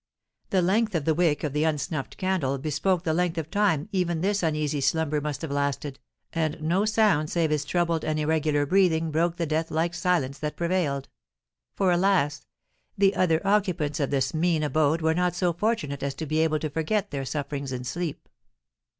The length of the wick of the unsnuffed candle bespoke the length of time even this uneasy slumber must have lasted, and no sound save his troubled and irregular breathing broke the deathlike silence that prevailed; for, alas! the other occupants of this mean abode were not so fortunate as to be able to forget their sufferings in sleep.